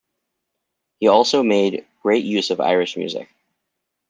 He also made great use of Irish music.